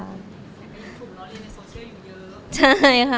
แล้วเรียนในโซเชียลอยู่เยอะ